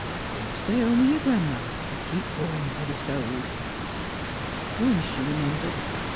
You stay home with yer Gran 'ma an' keep warm b' th' stove." Once, she remembered.